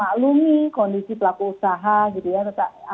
maklumi kondisi pelaku usaha gitu ya